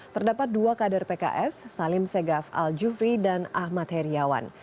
terdapat dua kader pks salim segaf al jufri dan ahmad heriawan